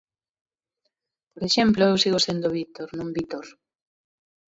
Por exemplo eu sigo sendo Víctor, non Vítor.